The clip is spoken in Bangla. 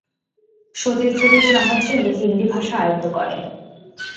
সতীর্থদের সাহায্যে উনি হিন্দি ভাষা আয়ত্ত করেন।